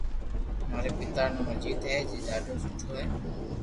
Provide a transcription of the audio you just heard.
ماري پيتا رو نوم اجيت ھي جي ڌاڌو سٺو ھي